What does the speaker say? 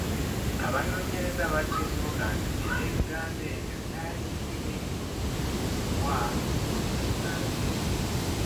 Abanoonyereza baakizuula nti ebigambo ebyo byali bibiri; “wa n'ekinnansi.”